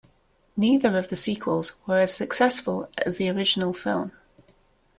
Neither of the sequels were as successful as the original film.